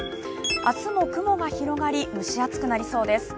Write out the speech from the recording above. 明日も雲が広がり、蒸し暑くなりそうです。